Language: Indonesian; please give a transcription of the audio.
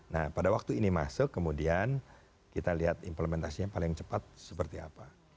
nah pada waktu ini masuk kemudian kita lihat implementasinya paling cepat seperti apa